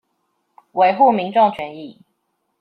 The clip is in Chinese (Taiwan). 維護民眾權益